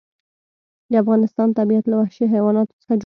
د افغانستان طبیعت له وحشي حیواناتو څخه جوړ شوی دی.